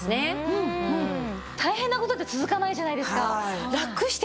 大変な事って続かないじゃないですか。